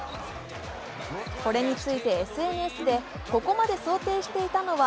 これについてＳＮＳで、ここまで想定していたのは